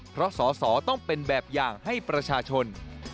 เพราะสอสอต้องเป็นแบบอย่างให้ประชาชน